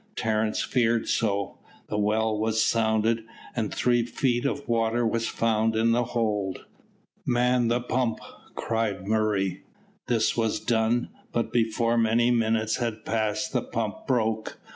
Terence feared so. The well was sounded, and three feet of water was found in the hold. "Man the pump!" cried Murray. This was done, but before many minutes had passed the pump broke.